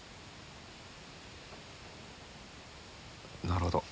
なるほど。